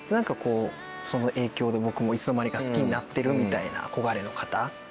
その影響で僕もいつの間にか好きになってるみたいな憧れの方。